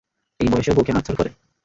এই বয়সেও বউকে মারধর করে?